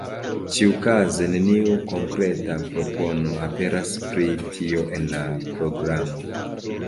Ĉiuokaze neniu konkreta propono aperas pri tio en la programo.